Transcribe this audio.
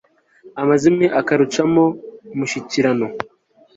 amazimwe akarucamo umushikirano